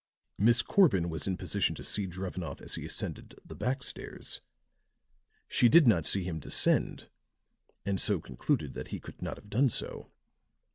"Miss Corbin was in position to see Drevenoff as he ascended the back stairs. She did not see him descend, and so concluded that he could not have done so.